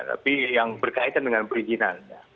tapi yang berkaitan dengan perizinan